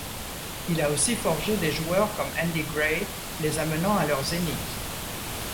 Il a aussi forgé des joueurs comme Andy Gray, les amenant à leur zénith.